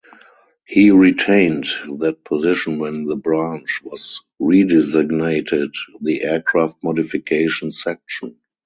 He retained that position when the branch was redesignated the Aircraft Modification Section.